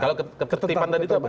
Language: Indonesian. kalau ketertiban tadi itu apa